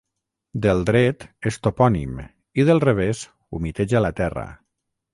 Del dret és topònim i del revés humiteja la terra.